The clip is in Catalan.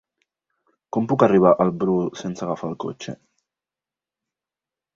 Com puc arribar al Brull sense agafar el cotxe?